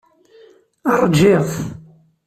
Ṛjiɣ-t.